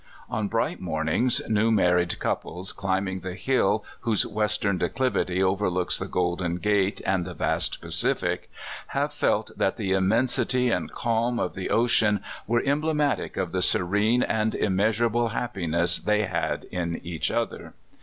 On bright mornings, new married couples, climbing the hill whose western declivity overlooks the Golden Gate and the vast Pacific, have felt that the immensity and calm of the ocean were emblematic of the serene and immeasurable happiness they had in each other.